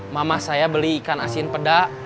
mama saya beli ikan asin pedak